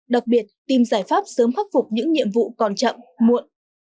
đặc biệt tìm giải pháp sớm khắc phục những nhiệm vụ còn chậm muộn